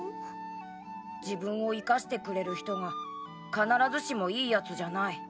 自分を生かしてくれる人が必ずしもいい奴じゃない。